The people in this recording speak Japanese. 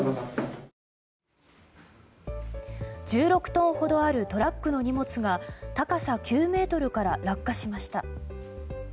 １６トンほどあるトラックの荷物が高さ９ｍから落下しました。